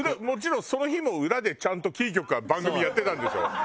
もちろんその日も裏でちゃんとキー局が番組やってたんでしょ？